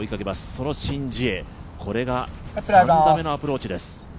そのシン・ジエ、これが３打目のアプローチです。